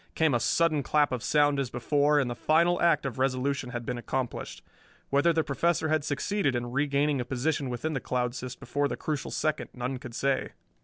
Came a sudden clap of sound as before, and the final act of resolution had been accomplished. Whether the Professor had succeeded in regaining a position within the cloud cyst before the crucial second none could say.